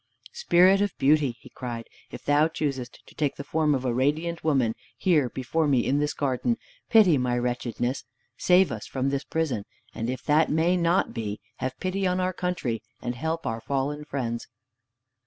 "Spirit of Beauty," he cried, "if thou choosest to take the form of a radiant woman here before me in this garden, pity my wretchedness! Save us from this prison, and if that may not be, have pity on our country and help our fallen friends."